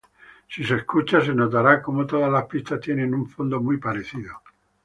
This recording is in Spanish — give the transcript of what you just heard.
Si se escucha, se notará como todas las pistas tienen un fondo muy parecido.